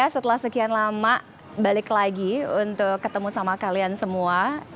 setelah sekian lama balik lagi untuk ketemu sama kalian semua